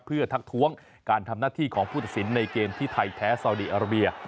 เพื่อทักท้วงการทำหน้าที่ของผู้ตัดสินในเกมที่ไทยแพ้ซาวดีอาราเบีย